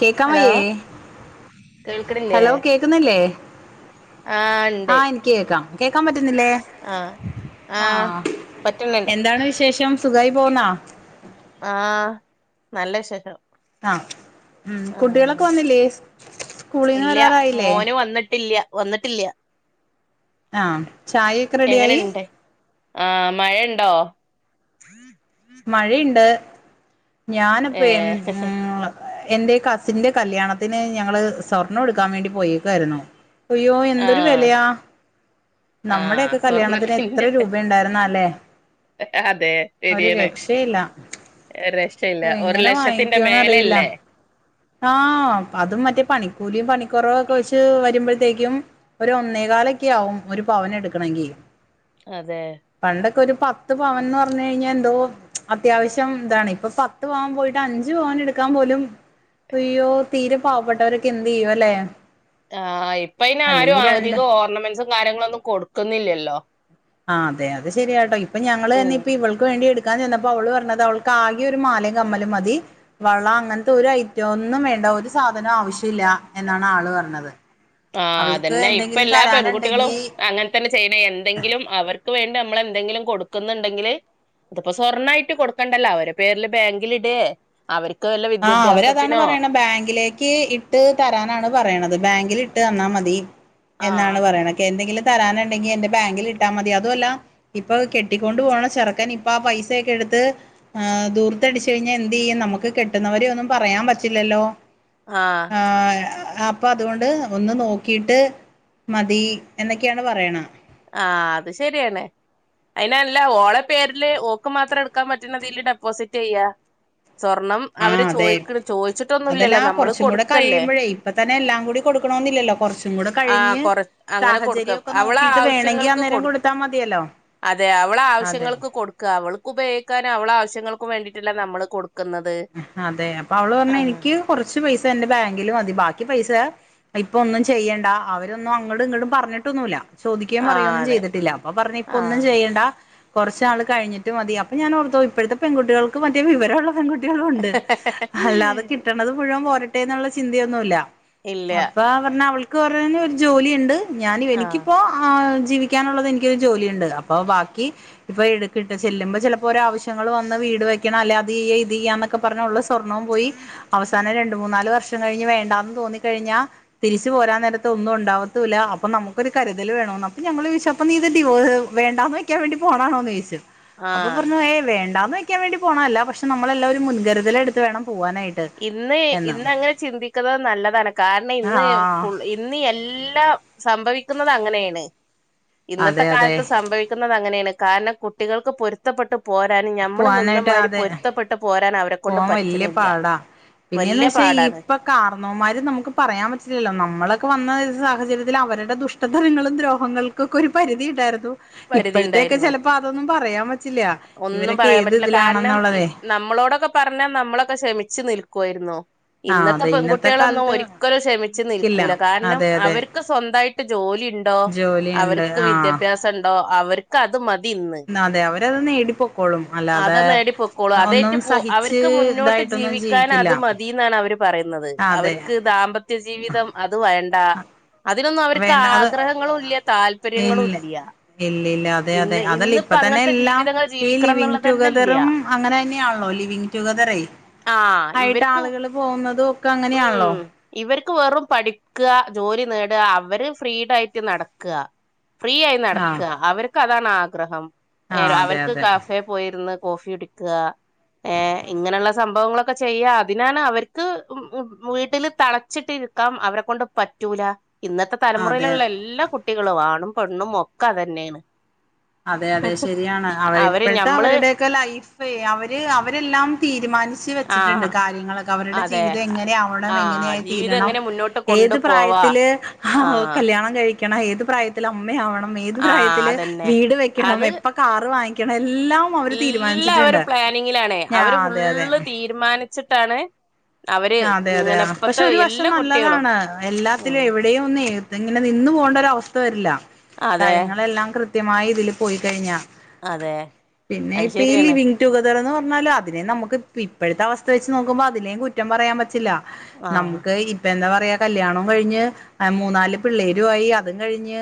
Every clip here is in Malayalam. കേക്കാൻ ഹലോ വയ്യേ? കേൾക്കണില്ലേ ഹലോ കേക്ണ്ല്ലേ ആഹ് ഇൻ കേക്കാം. കേക്കാൻ പറ്റുന്നില്ലേ? ആഹ് ആഹ്. പറ്റുന്നുണ്ട് എന്താണ് വിശേഷം? സുഖായി പോണോ. ആഹ്. നല്ല വിശേഷം. ആഹ് ഉം കുട്ടികളൊക്കെ വന്നില്ലേ സ്കൂളീന്ന് ഇല്ല്യ. വരാറായില്ലേ മോന് വന്നിട്ടില്ല്യ വന്നിട്ടില്ല്യ. ആഹ്. ചായഒക്കെ റെഡിയായി? ആഹ്. മഴണ്ടോ? മഴയ്ണ്ട്. ഞാന് പ്പേ ഉം ഏഹ് എന്റെ കസിന്റെ കല്യാണത്തിന് ഞങ്ങള് സ്വർണം എടുക്കാൻ വേണ്ടി പോയേക്കായിരുന്നു. ഉയ്യോ എന്തൊരു ആഹ് വെലയാ. ആഹ് നമ്മുടെയൊക്കെ കല്യാണത്തിന് എത്ര സ്വർണത്തിന്റെ രൂപ ഉണ്ടായിര്ന്നാ ല്ലേ. അതെ ശരിയാണ് രക്ഷല്ല ഓ ഒരു എങ്ങനെ ലക്ഷത്തിന്റെ വാങ്ങിക്കുവോന്ന് മേലെ ല്ലേ. അറിയില്ല ആഹ് അതും മറ്റേ പണിക്കൂലിയും പണിക്കുറവും ഒക്കെ വെച്ച് വരുമ്പഴ്ത്തേക്കും ഒരു ഒന്നേ കാലൊക്കെ ആവും ഒരു പവന് എടുക്കണങ്കി. അതെ പണ്ടൊക്കെ ഒരു പത്ത് പവൻന്ന് പറഞ്ഞു കഴിഞ്ഞാ എന്തോ അത്യാവശ്യം താണ് ഇപ്പൊ പത്ത് പവൻ പോയിട്ട് അഞ്ചു പവൻ എടുക്കാൻ പോലും അയ്യോ തീരെ പാവപ്പെട്ടവരൊക്കെ എന്ത് ചെയ്യു അല്ലെ ആ ഇപ്പയിന് ആരും അല്ലെങ്കി രണ്ട് ആതികം ഓർണമെന്റ്സും കാര്യങ്ങളും ഒന്നും കൊടുക്കുന്നില്ലല്ലോ ആ അതെ അത് ശരിയ ട്ടോ ഇപ്പൊ ഞങ്ങള് തന്നെ ഉം ഇപ്പൊ ഇവൾക്ക് വേണ്ടി എടുക്കാൻ ചെന്നപ്പോ അവള് പറഞ്ഞത് അവൾക്ക് ആകെ ഒരു മാലയും കമ്മലും മതി വള അങ്ങൻത്തെ ഒരു ഐറ്റം ഒന്നും വേണ്ട ഒരു സാധനം ആവശ്യ ഇല്ല എന്നാണ് ആള് പറഞ്ഞത് ആ അവൾക്ക് അതന്നെ ഇപ്പ എന്തെങ്കിലും എല്ലാ പെൺകുട്ടികളും തരാനുണ്ടെങ്കി അങ്ങനെ തന്നെ ചെയ്യണ് എന്തെങ്കിലും അവർക്ക് വേണ്ടി നമ്മൾ എന്തെങ്കിലും കൊടുക്കുന്നുണ്ടെങ്കില് ഇതിപ്പോ സ്വർണ്ണയിട്ട് കൊടുക്കണ്ടല്ലോ അവരെ പേരില് ബാങ്കില് ഇടേ അവര്ക്ക് വല്ല വി ആ അവരതാണ് പറയണ് ബാങ്കിലേക്ക് ഇട്ട് തരാനാണ് പറയണത് ബാങ്കിൽ ഇട്ട് തന്നാൽ മതി ആ എന്നാണ് പറയണ്. ക്ക് എന്തെിലും തരാനുണ്ടെങ്കി എന്റെ ബാങ്കിൽട്ടാ മതി അതു അല്ല ഇപ്പൊ കെട്ടിക്കൊണ്ട് പോണ ചെറുക്കൻ ഇപ്പൊ ആ പൈസൊക്കെ എടുത്ത് ആ ദൂർത്ത് അടിച്ചു കഴിഞ്ഞാൽ എന്ത് ചെയ്യും നമുക്ക് കെട്ടുന്നവരെ ഒന്നും പറയാൻ പറ്റില്ലല്ലോ ആഹ് ആ അപ്പ അതുകൊണ്ട് ഒന്ന് നോക്കിയിട്ട് മതി എന്നൊക്കെയാണ് പറയണ് ആ അത് ശരിയാണ് അയ്നല്ല ഓളെ പേരില് ഓക്ക് മാത്രം ടുക്കാൻ പറ്റ്ണതില് ഡെപ്പോസിറ്റ്യ്യാ സ്വർണം അവര് ആഹ് അതെ ചോയ്ക്ക്ണ് ചോയിച്ചിട്ടൊന്നുല്ലല്ലോ അതല്ലാ നമ്മള് കുറച്ചും കൂടെ കൊടുക്കല്ലേ കഴിയുമ്പോഴേ ഇപ്പ തന്നെ എല്ലാം കൂടി കൊടുക്കണോന്നില്ലല്ലോ കുറച്ചും കൂടെ ആ കഴിഞ്ഞ് കൊറച് അങ്ങനെ കൊടുക്ക സാഹചര്യം ഒക്കെ അവള നോക്കിട്ട് ആവശ്യങ്ങൾ വേണമെങ്കി ക്ക്‌ അന്നേരം കൊടുത്താ കൊട്ക്ക്‌ മതിയല്ലോ അതെ അവള അതെ ആവശ്യങ്ങൾക്ക് കൊട്ക്ക അവൾക്ക് ഉപയോഗിക്കാനും അവള ആവശ്യങ്ങൾക്കും വേണ്ടിട്ടല്ലേ നമ്മള് കൊട് ക്ക്‌ന്നത് അതെ അപ്പൊ അവള് പറഞ്ഞ് എനിക്ക് കുറച്ച് പൈസ എന്റെ ബാങ്കില് മതി ബാക്കി പൈസ ഇപ്പ ഒന്നും ചെയ്യണ്ട അവരൊന്നും അങ്ങടും ഇങ്ങടും പറഞ്ഞിട്ടൊന്നുംല്ല ചോദിക്കുകയും പറയോ ആഹ് ഒന്നും അതെ ചെയ്തിട്ടില്ല അപ്പൊ പറഞ്ഞ് ഇപ്പ ഒന്നും ആഹ് ചെയ്യണ്ട കൊറച്ചാൾ കഴിഞ്ഞിട്ട് മതി അപ്പ ഞാനോർത്തു ഇപ്പഴത്തെ പെൺകുട്ടികൾക്ക് മറ്റേ വിവരോള്ള പെൺകു [unintelligible] അല്ലാത് കിട്ട വരണത് മുഴുവൻ പോരട്ടെ എന്നുള്ള ചിന്തയൊന്നുല്ല ഇല്ല അപ്പ പറഞ്ഞാ അവൾക്ക് പറയാനൊരു ജോലിയിണ്ട് ഞാൻ ആഹ് എനിക്കിപ്പോ ജീവിക്കാനുള്ളത് എനിക്കൊരു ജോലിയുണ്ട് അപ്പൊ ബാക്കി ഇപ്പൊ എടുക്കിട്ട് ചെല്ലുമ്പോ ചെലപ്പോ ഒരാവശ്യങ്ങള് വന്ന് വീട് വെക്കണം അല്ലാതെ ഈ [unintelligible] പറഞ്ഞുള്ള സ്വർണ്ണോം പോയി അവസാനം രണ്ട് മൂന്നാല് വർഷം കഴിഞ്ഞ് വേണ്ടാന്ന് തോന്നിക്കഴിഞ്ഞാ തിരിച്ചു പോരാൻ നേരത്ത് ഒന്നും ഒണ്ടാവത്തൂല്ല അപ്പൊ നമുക്കൊരു കരുതൽ വേണോന്ന് അപ്പ ഞങ്ങള് ചോയിച്ചു അപ്പം നീത് ഡിവോ വേണ്ടാന്ന് വെക്കാൻ വേണ്ടി പോണാണോന്ന് ചോദിച്ചത് അപ്പൊ ആഹ് പറഞ്ഞു ഏയ് വേണ്ടാന്ന് വക്കാൻ വേണ്ടി പോണഅല്ല പക്ഷെ നമ്മളെല്ലാം ഒരു മുൻകരുതലെടുത്ത് എടുത്ത് വേണം പോവാനായിട്ട് ഇന്ന് എന്ന് ഇന്ന് അങ്ങനെ ചിന്തിക്കുന്നത് നല്ലതാണ് കാരണം ഇന്ന് ആഹ് ഫുൾ ഈ ഇന്ന് എല്ലാം സംഭവിക്കുന്നത് അങ്ങനെയാണ് അതെ ഇന്നത്തെ അതെ കാലത്ത് സംഭവി അങ്ങനെയാണ് കാരണം കുട്ടികൾക്ക് പൊരുത്തപ്പെട്ട് പോരാനും ഞമ്മള് പോവാനായിട്ട് നിന്നമാതിരി അതെ പൊരുത്തപ്പെ ട്ട് പോരാൻ അവരൊ പോവാൻ വല്യ പാടാ പിന്നെയെന്ന് വെച്ചാ പാടാണ് ഇപ്പ ഇപ്പ കാരണോമാര് നമുക്ക് പറയാൻ പറ്റില്ലല്ലോ നമ്മളൊക്കെ വന്ന ഒരു സാഹചര്യത്തില് അവരുടെ ദുഷ്ടത്തരങ്ങളും ദ്രോഹങ്ങൾ ഒക്കെ ഒരു പരിധി ഉണ്ടായിരുന്നു പരിധി ഇപ്പഴ്ത്തേക്കെ ഉണ്ടായിരുന്നു ചെലപ്പ അതൊന്നും പറയാൻ പറ്റില്ല ഒന്നും ഇവരൊക്കെ പറയാൻ ഏത് പറ്റില്ല കാരണം ഇ ഇതിലാണെന്നുള്ളതെ നമ്മളോടൊക്കെ പറഞ്ഞാൽ നമ്മളൊക്കെ ക്ഷമിച്ചു നിൽക്കുവായിരുന്നോ ആ ഇന്നത്തെ അതെ പെൺകുട്ടികളൊന്നും കാലത്ത് ഒരിക്കലും ക്ഷമിച്ച് നിക്കില്ല നിൽക്കൂല കാരണം അതെ അതെ അവർക്ക് സ്വന്തായിട്ട് ജോലി ഉണ്ടോ ജോലിയുണ്ട് അവർക്ക് ആ വിദ്യാഭ്യാസം ഉണ്ടോ അവര് ർക്ക് അത് മതി ഇന്ന് അതെ അവരത് നേടിപ്പോക്കോളും അത് അല്ലാതെ നേടി പൊക്കോളൂ അതയി ഒന്നും സഹിച്ച് അവർക്ക് മുന്നോട്ട് ഇതായിട്ടൊന്നും ജീവിക്കാൻ ജീവിക്കില്ല അത് മതി ന്ന് ആണ് അവര് പറയുന്നത് അതെ അവർക്ക് ദാമ്പത്യ ജീവിതം അത് വേ അതിനൊന്നും അവർക്ക് വേണ്ട അത് ആഗ്രഹങ്ങളും ഇല്യ താല്പര്യങ്ങളും ഇല്യ ഇല്ലില്ല അതെ അതെ അതല്ലേ ഇപ്പ തന്നെ എല്ലാം ജീവിതങ്ങൾ ഈ ജീവിക്കണം ലിവിംഗ് എന്നുള്ളത് തന്നെ ഇല്ല ടുഗെതറും അങ്ങനെ തന്നെയാണല്ലോ ലിവിങ് റ്റുഗതറേ ആ ആയിട്ട് ഇവർക്ക് ആളുകൾ പോകുന്നത ഒക്കെ ഉം അങ്ങനെയാണല്ലോ ഇവർക്ക് വെറും പഠിക്കുക ജോലി നേടുക അവര് ഫ്രീഡായിട്ട് നടക്ക്ക ഫ്രീ ആയി ആഹ് നടക്കുക അവർക്ക് അതാണ് ആഗ്രഹം ആഹ് അതെ അവർക്ക് അതെ കഫേ പോയിരുന്ന് കോഫി കുടിക്കുക ഏഹ് ഇങ്ങനെയുള്ള സംഭവങ്ങളൊക്കെ ചെയ്യാ അതിനാണ് അവർക്ക് വീട്ടില് തളച്ചിട്ട് ഇരു ക്കാൻ അവരെ കൊണ്ട് പറ്റൂല ഇന്നത്തെ അതെ തലമുറയിലുള്ള എല്ലാ കുട്ടികളും ആണും പെണ്ണും ഒക്കെ അതന്നെയാണ് അതെ അതെ ശരിയാണ് അവര് ഇപ്പഴ്ത്തെ അവരുടെ ക്കെ ലൈഫ് അവര് അവരെല്ലാം തീരുമാനിച്ച് ആ വെച്ചിട്ടുണ്ട് കാര്യങ്ങളൊക്കെ അവരുടെ അതെ ജീവിതം എങ്ങനെയാവണം ആ എങ്ങനെയായി ജീവിതം തീരണം എങ്ങനെ മുന്നോട്ട് കൊണ്ടു ഏത് പോവാ പ്രായത്തില് ആ കല്യാ കല്യാണം കഴിക്കണം ഏത് പ്രായത്തിൽ അമ്മയാവണം ഏത് ആ പ്രായത്തില് അതന്നെ വീട് വെക്കണം എപ്പ കാറ് വാങ്ങിക്കണം എല്ലാം അവര് എല്ലാം അവര് തീരുമാനിച്ചിട്ടുണ്ട് പ്ലാനിങ്ങിലാണെ ആ അവര് അതെ അതെ ഫുള്ള് തീരുമാനിച്ചിട്ടാണ് അവര് അതെ അതെ ഇങ്ങനെ പക്ഷെ ഇപ്പത്തെ ഒരു വശം എല്ലാ കുട്ടികളും നല്ലതാണ് എല്ലാത്തിലും ഉം എവിടെ എവിടെ ഒന്നും ഇങ്ങനെ നിന്നന്ന് പോകേണ്ട ഒര അവസ്ഥ വരില്ല അതെ കാര്യങ്ങളെല്ലാം കൃത്യമായി ഇതിൽ പോയി കഴിഞ്ഞ അതെ പിന്നെ അത് ഇപ്പ ശരിയാണ് ലിവിഗ് റ്റുകതർ എന്ന് പറഞ്ഞാല അതിനെയും നമുക്ക് ഇപ്പോഴത്തെ അവസ്ഥ വെച്ച് നോക്കുമ്പോൾ അതിനേും കുറ്റം പറയാൻ പറ്റില്ല ആഹ് നമുക്ക് ഈ ഇപ്പ എന്താ പറയാ കല്യാണം കഴിഞ്ഞ് മൂന്നാല് പിള്ളേരു ആയി അതും കഴിഞ്ഞ്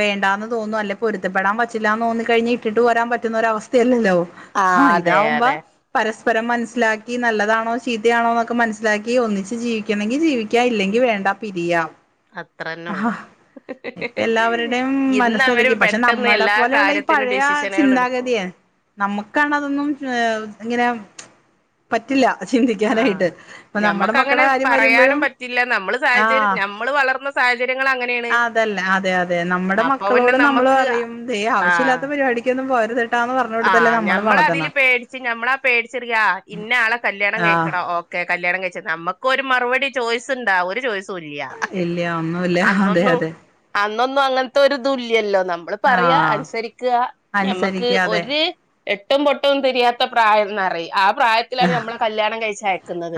വേണ്ടാന്ന് തോന്നു അല്ലെ പൊരുത്തപ്പെടാൻ പറ്റില്ലാന്ന് തോന്നി കഴിഞ്ഞ് ഇട്ടിട്ട് പോരാൻ പറ്റുന്ന ഒരസ്ഥയല്ലല്ലോ ആ ആഹ് അതെ ഇതാവുമ്പോ അതെ പരസ്പരം മൻസ്സിലക്കി നല്ലതാണോ ചീത്തയാണോന്നോ മനസ്സിലാക്കി ഒന്നിച്ച് ജീവിക്കണെങ്കിൽ ജീവിക്കാ ഇല്ലെങ്കിൽ വേണ്ട പിരിയാം അത്ര തന്നെ ഉള്ളു ഇപ്പ എല്ലാവരുടെയും ഇന്ന് അവര് മനസ്സതക്കി പക്ഷെ പെട്ടെന്ന് നമ്മുടെ എല്ലാ പോലെയുള്ള ഈ കാര്യത്തിനും പഴയ ഡിസിഷനുകൾ എടുക്കും ചിന്താഗതിയെ നമുക്കാണ് അതൊന്നും ഇങ്ങനെ പറ്റില്ല ചിന്തിക്കാനായിട്ട് ഇപ്പൊ നമ്മുടെ മക്കളുടെ നമ്മക്ക്ങ്ങനെ കാര്യം പറയാനും വരുമ്പോഴും പറ്റില്ല നമ്മൾ സാഹചര്യ ആഹ് നമ്മള് വളർന്ന സാഹചര്യങ്ങ അങ്ങനെയാണ് ഇതല്ല അതെ അതെ നമ്മുടെ അപ്പൊ പിന്നെ മക്കളോട് നമ്മള് നമ്മക്ക് പറയും ദേ ആവിശ്യഇല്ലാത്ത പരിപാടിക്കൊന്നും പോവരുത് ആ ഞമ്മള അതിൽ പേടിച്ച് ഞമ്മാള പേടിച്ചെറിയ ഇന്ന ആളെ കല്യാണം ആഹ് കഴിക്കണോ ഓ കെ കല്യാണം കഴിച്ചത് നമുക്ക് ഒരു മറുപടി ചോയ്സ് ഉണ്ടാ ഒരു ചോയ്സ് തുല്യ ഇല്ല ഒന്നുല്ല അതെ അന്നൊന്നു അതെ അന്നൊന്നും അങ്ങനത്തെ ഒരു തുല്യല്ലോ ന നമ്മള് പറയാ ആഹ് അനുസരിക്ക്‌ക ഞമ്മക്ക് അനുസരിക്കാതെ ഒരു എട്ടും പൊട്ടും തിരിയാത്ത പ്രായംന്ന്റി ആ പ്രായത്തിലാണ് ഞമ്മളെ കല്യാണം കഴിച്ചയ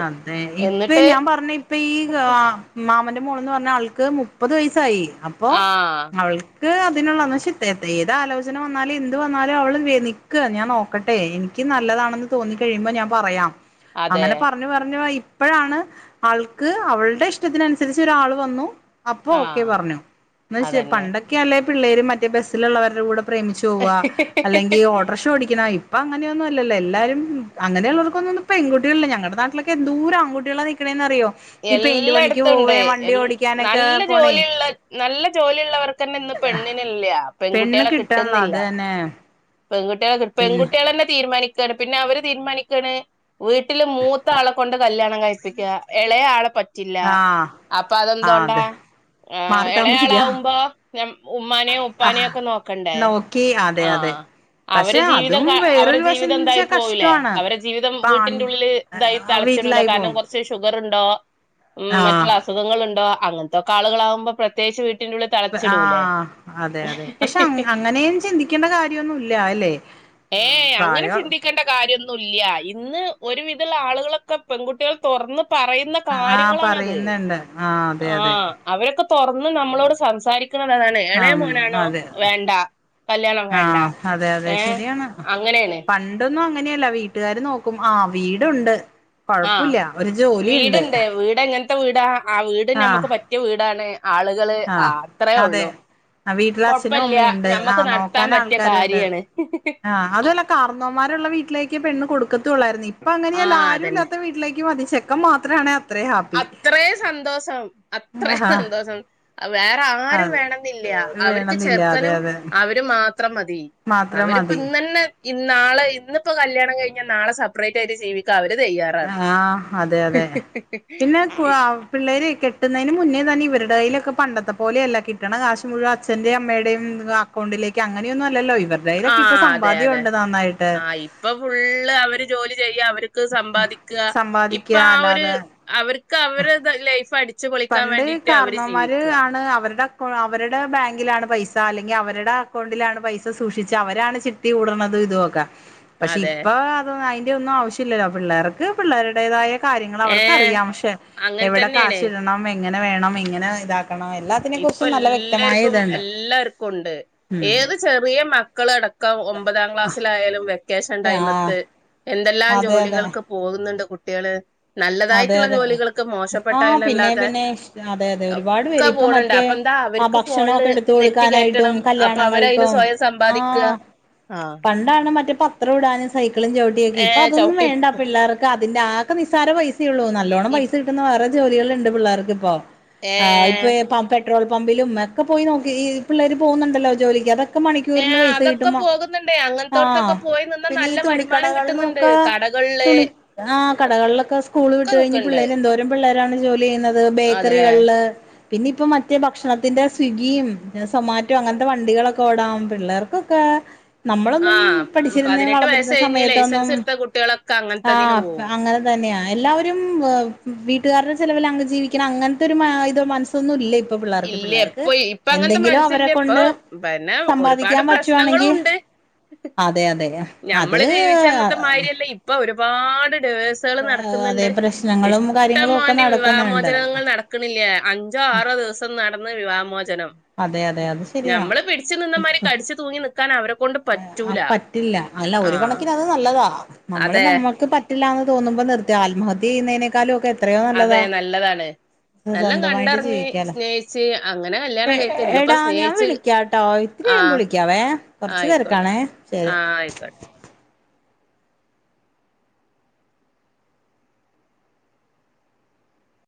അതെ ഇപ്പൊ ഞാൻ പറഞ്ഞ ഇപ്പ ഈ തത് മാമന്റെ മോളന്ന് പറഞ്ഞാ അവൾക്ക് മുപ്പത് വയസായി അപ്പോ ആഹ് അവൾ ക്ക്‌ അതിനുള്ളന്ന് ചിത്ത പക്ഷെഏത് ആലോചന വന്നാലും എന്ത് വന്നാലും അവള് വേ നിൽക്കുക ഞാൻ നോ ക്കട്ടെ എനിക്ക് നല്ലതാണെന്ന് തോന്നി കഴിയുമ്പോ ഞാൻ പറയാം അതെ അങ്ങനെ നു പർഞ്ഞു ഇപ്പഴാണ് ആൾക്ക് അവളുടെ ഇഷ്ടത്തിനനുസരിച്ചു ഒരാള് വന്നു അപ്പൊ ഓക്കെ ആഹ് പർഞ്ഞു. ന്ന് വച്ച് അതന്നെ പണ്ടൊക്കെ അല്ലേ പിള്ളേര് മറ്റേ ബസ്സിലുള്ളവരുടെ കൂടെ പ്രേമിച്ച് പോവ അല്ലെങ്കി ഓട്ട്രറിഷ ഓടിക്ക്ണാ ഇ പ്പ അങ്ങനെയൊന്നു ഇല്ലല്ലൊ എല്ലാരും അങ്ങനെയുള്ളവർക്കൊന്നും ഇന്ന് പെൺകുട്ട്യേള് ല്ല. ഞങ്ങടെ നാട്ടിലൊക്കെ എന്തോര് ആൺകുട്ട്യേളാ നിക്ക്ണേന്ന് അറിയോ. ഈ പെയിന്റ് പണിക്ക് എല്ലായിടത്തും ഉണ്ട് പോവേം വണ്ടി എൽ ഓടിക്കാനൊക്കെ നല്ല പോണേ ജോലിയുള്ള നല്ല ജോലിയുള്ളവർക്കന്നെ ഇന്ന് പെണ്ണിനില്ല പെണ്ണ് പെൺകുട്ടികളെ കിട്ടൺല്ല്യ അത് തന്നെ പെൺകുട്ട്യേളെ കി പിന്നെ പെൺകുട്ട്യേളെന്നെ തീരുമാനിക്കാണ് പിന്നെ അവര് തീരുമാനിക്കാണ്. വീട്ടില് മൂത്ത ആളെ കൊണ്ട് കല്യാണം കഴിപ്പിക്കാ. എളയ ആളെ പ റ്റില്ലാ. ആഹ് അപ്പൊ ആഹ് അതെന്തോണ്ടാ? അതെ ആഹ് മാറി താമസിക്കാ എളയാളാവുമ്പോ നം ഉമ്മാനെയും ഉപ്പാനെയും ആഹ് ഒക്കെ നോക്കണ്ടേ. നോക്കി അതെ അതെ ആഹ് പക്ഷെ അവരെ ജീവിതം അതും ക അവരെ വേറൊരു വശം ജീവിതം ന്ന് വെച്ചാ ഇതായി പോവുലെ. കഷ്ടമാണ് അവരെ ജീവിതം ഇപ്പ ആൺ വീട്ടിന്റെ ഉള്ളില് ഇതായി തളച്ചിടൂല വീട്ടിലായി കാരണം പോവും കൊർ ച്ച് ഷുഗറ് ണ്ടോ ഉം മറ്റുള്ള ആഹ് അസുഖങ്ങള്ണ്ടോ അങ്ങൻത്തൊക്കെ ആളുകളാവുമ്പോ പ്ര ത്യേകിച്ച് വീട്ടിൻ്റുളളി ത പ് ആഹ് അതെ അതെ. പക്ഷെ അങ് അങ്ങനെയും ചിന്തിക്കേണ്ട കാര്യമൊന്നും ഇല്ല്യ അല്ലെ. ഏയേ അങ്ങനെ ചിന്തി ക്കണ്ട കാര്യൊന്നുല്ല്യ. ഇന്ന് ഒരു വിധള്ള ആളുകളൊക്കെ പെൺകുട്ടിയേൾ തൊർന്ന് പറയുന്ന ആഹ് കാര്യങ്ങളാണത്. പറയുന്നുണ്ട് ആഹ് അതെ അതെ ആഹ് അവരൊക്കെ തൊർന്ന് നമ്മളോട് സംസാരി ക്ക്ണത് അതാണ് എളയ ആഹ് മോനാണോ അതെ വേണ്ട കല്ല്യാണം വേണ്ട. ആഹ് അതെ അതെ ഏ ശരിയാണ് അങ്ങനെയാണ് പൺ ൺടൊന്നും അങ്ങനെയല്ല വീട്ടുകാര് നോക്കും ആ വീടുണ്ട് കൊഴപ്പുല്ല്യ ഒര് ജോലിയിണ്ട്. വീടെങ്ങൻ ത്ത വീടാ, ആ വീട് ഞമ്മക്ക് പറ്റിയ വീടാണ് ആളുകള് ആഹ് അത്രേ ഒള്ളു. അഹ് വീട്ടിൽ അച്ഛനും അമ്മയുണ്ട് ആഹ് നടത്താൻ നോക്കാൻ പറ്റിയ ആൾക്കാര്ണ്ട് കാര്യാണ് ആഹ് അതു അല്ല കാർന്നോമാരുള്ള വീട്ടിലേക്ക് പെണ്ണ് കൊടുക്കത്തും ഒള്ളായിരുന്നു. ഇപ്പൊ അങ്ങനെയല്ല ആഹ് അതന്നെ ആരൂല്ലാത്ത വീട്ടിലേക്ക് മതി ചെ ക്കാൻ മാത്രാണ് അത്രേം സന്തോസം അത്രയും ആഹ് സന്തോസം. വേറെ ആരും അത് വേണം ന്നില്ല, അവർക്ക് വേണന്നില്ല അതെ ചെർക്കനും അതെ അവരും മാത്രം മതി. മാത്രം അവരിപ്പം മതി ഇന്നന്നെ ഇ ന്നാളെ ഇന്ന് പ്പം കല്യാണം കഴിഞ്ഞാ നാളെ സപ്റേറ്റ് ആയിട്ട് ജീവിക്കാ അവര് തയ്യാ ആഹ് അതെ അതെ. പിന്നെ കുവാ പിള്ളേരെ കെട്ടുന്നേന് മുന്നേ തന്നെ ഇവരുടെ കയ്യിലൊക്കെ പണ്ടത്തെ പോലെയല്ല കിട്ടണ കാശ് മുഴുവ അച്ഛന്റെയും അമ്മയുടെയും അക്കൗണ്ടിലേക്ക് അങ്ങനെയൊന്നും അല്ലല്ലോ ഇവര്ട കൈയിലൊക്കെ ഇപ്പ സമ്പാദ്യ ഉണ്ട് നന്നായിട്ട്. ഇപ്പം ഫുള്ള് അവര് ജോലി ചെയ്യ അവര്ക്ക് സമ്പാദിക്ക ഇപ്പൊ സമ്പാദിക്കുക ആ ഒര് അല്ലാതെ അവര്ക്ക് അവരെ ദ ലൈഫ് അടി പണ്ട് കാർണോമാര് ആണ് അവര്ടെ പ് അവരുടെ ബാങ്കിലാണ് പൈസ അല്ലെങ്കി അവര്ടെ അക്കൗണ്ടിലാണ് പൈസ സൂക്ഷിച്ച് അവരാണ് ചി ത്തി കൂട്ണത് ഇതു ഒക്ക പക്ഷെ അതെ ഇപ്പൊ അത് അയ്ന്റെയൊന്നും ആവശ്യല്ലല്ലോ. പിള്ളേർക്ക് പിള്ളേരുടേതായ കാര്യങ്ങള് ഏഹ് അവർക്കറിയാം പക്ഷേ അങ്ങനെ എവിടെ തന്നെയാണ് കാശ് ഇടണം എങ്ങനെ വേണം എങ്ങനെ ഇതാക്കണം എല്ലാ ഇപ്പ എല്ലാര്ക്കും എല്ലാര്ക്കു ണ്ട്. ഉം ഏത് ചെറിയ മക്കളടക്കം ഒമ്പതാം ക്ലാസ്സിലായാലും വെക്കേഷൻ ആ ടൈമത്ത് എന്തെല്ലാം അതെ അതെ ജോലികൾക്ക് പോകുന്നുണ്ട് കുട്ട്യേള്. അതെ നല്ലതായിട്ടുള്ള അതെ ജോലികളൊക്കെ മോശപ്പെട്ട ആ പിന്നെ തായിന്നല്ലാതെ പിന്നെ അതെ അതെ ഒരുപാട് പേര് ഇപ്പൊ ഫോണുണ്ട് മറ്റേ അപ്പൊ എന്താ ആ അവർക്ക് ഫോണില് ഭക്ഷണമൊക്കെ എടുത്ത് നെറ്റ് കൊടുക്കാനായിട്ടും കേറ്റണം അപ്പൊ അവരയിന് കല്യാണങ്ങൾക്കും സ്വയം സമ്പാദിക്ക ആ ണ്ടാണെ മറ്റെ പത്രം ഇടാനും സൈക്കിളും ചവിട്ടിയൊക്കെ ഇപ്പം ഏഹ് അതൊന്നും ചവിട്ടി വേണ്ട പോ- പിള്ളേർ ക്കതിൻ്റെ അതൊക്കെ നിസ്സാര പൈസയൊള്ളൂ നല്ലോണം ഇ പൈസ കിട്ടുന്ന വേറെ ജോലികളുണ്ട് പിള്ളേർക്കിപ്പോ ആ ഇപ്പ ഏഹ് ഈ പം പെട്രോൾ പമ്പിലും ഒക്കെ പോയി നോക്ക്‌ ഈ പിള്ളേര് പോകുന്നുണ്ടല്ലോ ജോലിക്ക് അതൊ ഒക്കെ മണിക്കൂറിന് ഏഹ് പൈസ അതൊക്കെ കിട്ടുമ്പോ പോകുന്നുണ്ട് ആഹ് അങ്ങനത്തോടത്തൊക്കെ പോയി നിന്നാ പിന്നെ ഈ നല്ല വരുമാനം കിട്ടുന്നുണ്ട് തുണിക്കടകളിലൊക്കെ കടകളില് തുണി ആ കടകളിലൊക്കെ സ് സ്കൂള് ഒക്കെ വിട്ട് കഴിഞ്ഞ് നിക്ക്ണ്ട് പിള്ളേര് എന്തോരം പിള്ളേരാണ് ജോലി ചെയ്യുന്നത് അതെ ബേക്കറികൾല് പിന്നെ ഇപ്പം മറ്റേ ഭക്ഷണത്തിന്റെ സ്വിഗ്ഗിയും സൊമാറ്റോ അങ്ങൻത്തെ വണ്ടികളൊക്കെ ഓടാം പിള്ളേർക്ക് ക്കേ നമ്മളൊന്നും ആഹ് പഠിച്ചിരുന്ന പതിനെട്ട് വയസ്സ് വളർന്നിരുന്ന കഴിഞ്ഞ് സമയത്തൊന്നും ലൈസൻസ് എടുത്ത കുട്ടികളൊക്കെ ആ അങ്ങനത്തെതിന് പോവും അങ്ങനെ തന്ന്യാ എല്ലാവരും വീട്ടുകാരുടെ ചെലവിലങ് ജീവിക്കണ അങ്ങൻത്തൊരു ഇത് മൻസ് സൊന്നും ഇല്ല ഇപ്പം പിള്ളേർക്ക് ഇല്ല പിള്ളേർക്ക് ഇപ്പൊ ഇപ്പൊ അങ്ങനത്തെ എന്തെങ്കിലും അവരെ മനസ്സില്ല കൊണ്ട് സമ്പാദിക്കാൻ പറ്റ് ശ്നങ്ങളുണ്ട് അത് ഞമ്മള് ജീവിച്ച അന്നത്തെ മാരിയല്ല ഇ ഇപ്പൊരുപാട് ഡിവേ‌സ് സാള് അതേ നടക്ക്‌ന്ന്ണ്ട് പ്രശ്നങ്ങളും ഇഷ്ടം കാര്യങ്ങളും ഒക്കെ മാണ്ടി നടക്കുന്നുണ്ട് വിവാഹമോചനങ്ങൾ നട ക്ക്ണില്ലേ അഞ്ചോ ആറോ ദിവസം നടന്ന് വിവാഹമോച ചനം അതെ അതെ അത് ശരിയാ ഞമ്മള് പിടിച്ച് നിന്നമാതിരി കടിച്ച് തൂങ്ങി നിക്കാൻ അവരെ കോണ്ട് പറ്റൂല റ്റില്ല അല്ല ഒരു ആഹ് കണക്കിന് അത് നല്ലതാ നമ്മള് അതെ നമ്മക്ക് പറ്റ് റ്റില്ലാന്ന് തോന്നുമ്പം നിർത്യ ആൽമഹത്യ ചെയ്യുന്നേനെക്കാലൊക്കെ അതെ നല്ലതാണ് എല്ലം സ്വന്തമായിട്ട് കണ്ടറിഞ്ഞ് ജീവിക്കാലോ സ്നേഹിച്ച് അങ്ങനെ എ കല്യാണം കയ്ക്ക ഇന്നിപ്പം എടാ ഞാൻ സ്നേഹിച്ച് വിളിക്കാട്ടോ ഇത്തിരി ആ കഴിയുമ്പോ വിളിക്കാവേ കൊറച്ച് ആയിക്കോട്ടെ തിരക്കാണേ ശരി ആ അയ്ക്കോട്ടെ